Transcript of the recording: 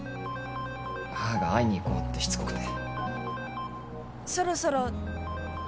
母が「会いに行こう」ってしつこくて。